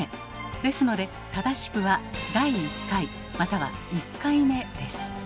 ですので正しくは「第一回」または「一回目」です。